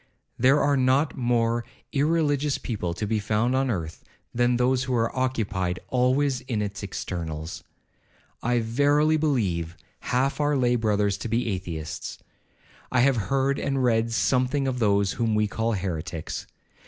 There are not more irreligious people to be found on earth than those who are occupied always in its externals. I verily believe half our lay brothers to be Atheists. I have heard and read something of those whom we call heretics.